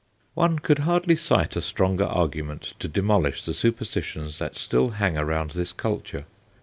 One could hardly cite a stronger argument to demolish the superstitions that still hang around this culture.